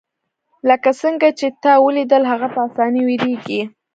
لکه څنګه چې تا ولیدل هغه په اسانۍ ویریږي